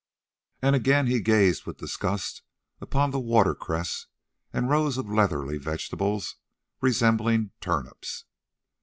And again he gazed with disgust upon the watercress and rows of leathery vegetables resembling turnips.